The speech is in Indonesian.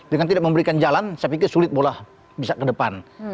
dengan tidak memberikan jalan saya pikir sulit bola bisa ke depan